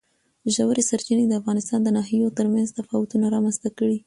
ژورې سرچینې د افغانستان د ناحیو ترمنځ تفاوتونه رامنځ ته کوي.